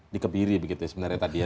dikebiri begitu sebenarnya tadi ya